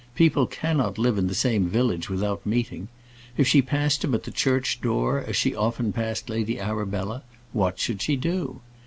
People cannot live in the same village without meeting. If she passed him at the church door, as she often passed Lady Arabella, what should she do?